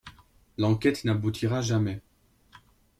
L'enquête n'aboutira jamais.